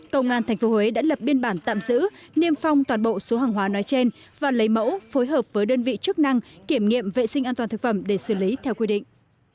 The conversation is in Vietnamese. công an tp huế đã lập biên bản tạm giữ niêm phong toàn bộ số hàng hóa nói trên và lấy mẫu phối hợp với đơn vị chức năng kiểm nghiệm vệ sinh an toàn thực phẩm để xử lý theo quy định